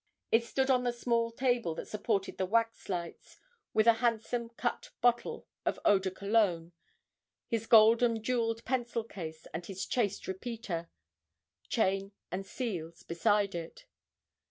It stood on the small table that supported the waxlights, with a handsome cut bottle of eau de cologne, his gold and jewelled pencil case, and his chased repeater, chain, and seals, beside it.